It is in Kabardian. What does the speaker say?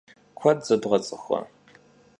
Kued zebğets'ıxua?